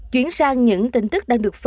chuyển sang những tin tức đang được phân lên